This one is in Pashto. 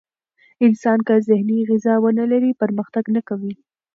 انسان که ذهني غذا ونه لري، پرمختګ نه کوي.